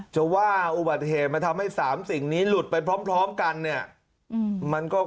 จะว่าอุบัติเหตุมันทำให้๓สิ่งนี้หลุดไปพร้อมกันเนี่ย